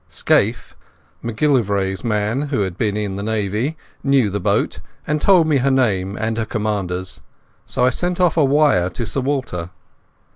Scaife, MacGillivray's man, who had been in the Navy, knew the boat, and told me her name and her commander's, so I sent off a wire to Sir Walter.